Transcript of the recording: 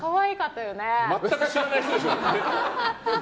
全く知らない人でしょ。